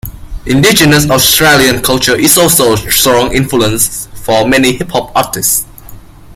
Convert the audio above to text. Indigenous Australian culture is also a strong influence for many hip hop artists.